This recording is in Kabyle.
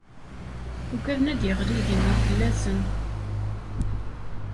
Ugden ad d-yeɣli yigenni fell-asen.